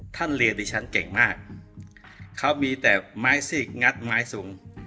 เรียนดิฉันเก่งมากเขามีแต่ไม้ซีกงัดไม้สูง